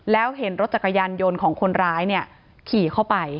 แล้วเห็นรถจักรยานยนต์ของคนร้ายเนี่ยขี่เข้าไป